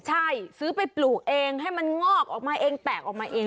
ใช่ซื้อไปปลูกเองให้มันงอกออกมาเองแตกออกมาเอง